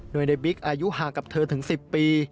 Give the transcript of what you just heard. โดยในบิ๊กอายุห่างกับเธอถึง๑๐ปี